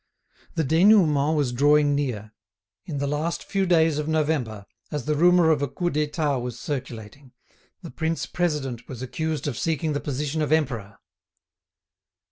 The dénouement was drawing near. In the last few days of November, as the rumour of a Coup d'État was circulating, the prince president was accused of seeking the position of emperor.